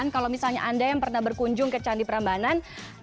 kalau misalnya anda yang pernah berkunjung ke candi prambanan